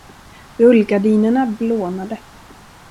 Rullgardinerna blånade.